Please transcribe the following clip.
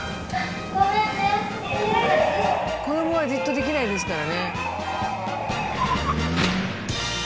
子どもはじっとできないですからね。